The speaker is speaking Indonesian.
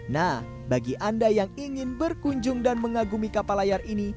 nah bagi anda yang ingin berkunjung dan mengagumi kapal layar ini